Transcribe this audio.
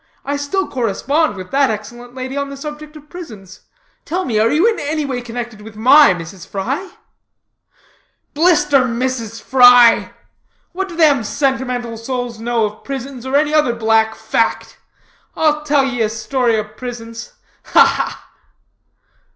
"I still correspond with that excellent lady on the subject of prisons. Tell me, are you anyway connected with my Mrs. Fry?" "Blister Mrs. Fry! What do them sentimental souls know of prisons or any other black fact? I'll tell ye a story of prisons. Ha, ha!"